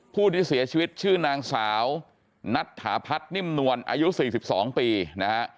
ผู้ที่เสียชีวิตชื่อนางสาวนัทฐาพัทนิ่มนวลอายุสี่สิบสองปีนะฮะ